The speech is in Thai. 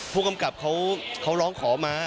ผู้กำกับเขาร้องขอมา